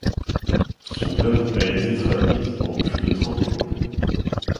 Son œuvre a été traduite en plus de trente langues.